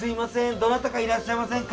どなたかいらっしゃいませんか？